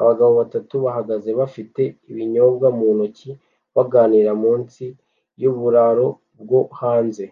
Abagabo batatu bahagaze bafite ibinyobwa mu ntoki baganira munsi yuburaro bwo hanze